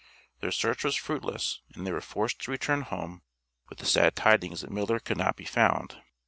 Their search was fruitless, and they were forced to return home with the sad tidings that Miller could not be found.